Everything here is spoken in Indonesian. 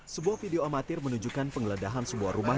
sebuah video amatir menunjukkan penggeledahan sebuah rumah